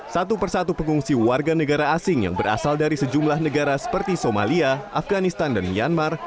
satu persatu pengungsi warga negara asing yang berasal dari sejumlah negara seperti somalia afganistan dan myanmar